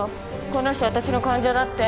この人私の患者だって。